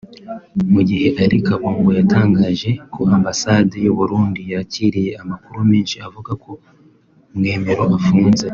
mu gihe Alain Kabongo yatangaje ko Ambasade y’u Burundi yakiriye amakuru menshi avuga ko Mwemero afunze